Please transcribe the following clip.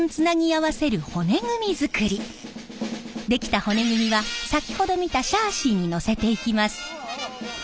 出来た骨組みは先ほど見たシャーシーにのせていきます。